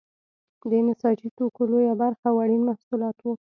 د نساجي توکو لویه برخه وړین محصولات وو.